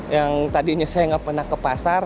yang tadinya saya nggak pernah ke pasar